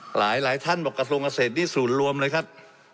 หลายท่านบอกกระทรวงเกษตรนี่ศูนย์รวมเลยครับ